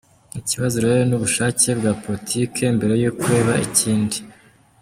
Ikibazo rero ni ubushake bwa politiki mbere y’uko biba ikindi.”